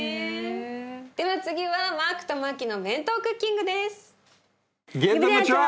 では次はマークとマキのＢＥＮＴＯクッキングです。